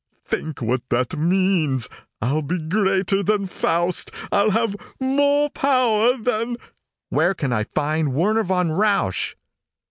Think what that means! I'll be greater than Faust. I'll have more power than " "Where can I find Werner von Rausch?"